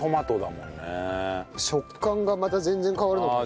食感がまた全然変わるのかな？